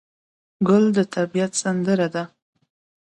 ګل د طبیعت سندره ده.